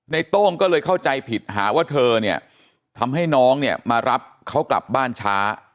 โต้งก็เลยเข้าใจผิดหาว่าเธอเนี่ยทำให้น้องเนี่ยมารับเขากลับบ้านช้า